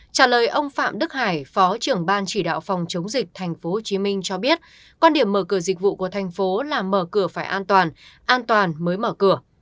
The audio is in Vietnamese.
trả lời ông phạm đức hải phó trưởng ban chỉ đạo phòng chống dịch tp hcm cho biết quan điểm mở cửa dịch vụ của thành phố là mở cửa phải an toàn an toàn mới mở cửa